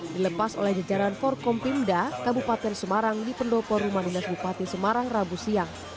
dilepas oleh jajaran forkompimda kabupaten semarang di pendopo rumah dinas bupati semarang rabu siang